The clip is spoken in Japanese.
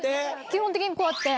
基本的にこうやって。